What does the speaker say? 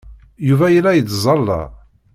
Yuba yella yettẓalla.